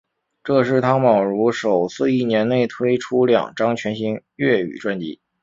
这是汤宝如首次一年内推出两张全新粤语专辑。